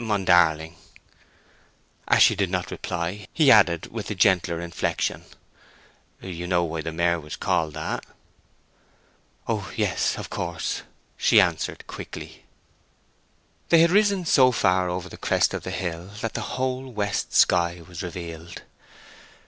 I met him on Darling." As she did not reply, he added, with a gentler inflection, "You know why the mare was called that?" "Oh yes—of course," she answered, quickly. They had risen so far over the crest of the hill that the whole west sky was revealed.